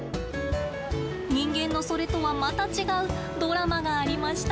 人間のそれとはまた違うドラマがありました。